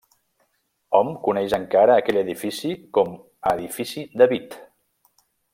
Hom coneix encara aquell edifici com a Edifici David.